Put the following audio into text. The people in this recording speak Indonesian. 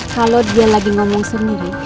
kalau dia lagi ngomong sendiri